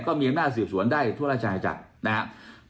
ก็มีหน้าสืบสวนได้ทั่วละชายจักรนะครับ